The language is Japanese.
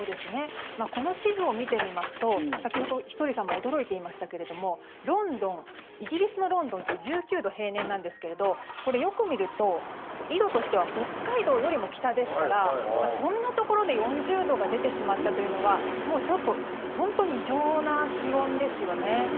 この地図を見てみますと先ほど、ひとりさんも驚いていましたけれどもイギリスのロンドンって１９度、平年なんですけれどこれ、よく見ると緯度としては北海道よりも北ですからそんなところで４０度が出てしまったというのは本当に異常な気温ですよね。